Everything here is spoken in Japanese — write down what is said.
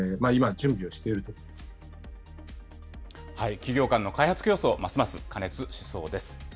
企業間の開発競争、ますます過熱しそうです。